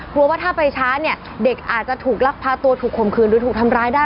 ว่าถ้าไปช้าเนี่ยเด็กอาจจะถูกลักพาตัวถูกข่มขืนหรือถูกทำร้ายได้